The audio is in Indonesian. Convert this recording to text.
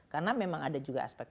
karena memang ada juga aspek